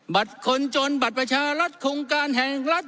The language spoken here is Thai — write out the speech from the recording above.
บัตรคนจนบัตรประชารัฐโครงการแห่งรัฐ